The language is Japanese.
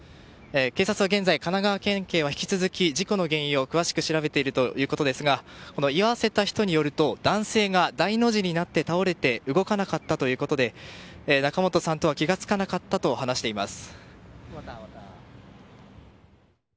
現在、神奈川県警は引き続き事故の原因を詳しく調べているということですがこの居合わせた人によると男性が大の字になって倒れて動かなかったということで仲本さんとは気が付かなかったと話しています。